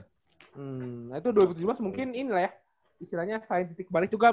hmm nah itu dua ribu tujuh belas mungkin ini lah ya istilahnya scientific balik juga